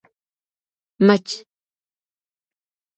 مچ 🐝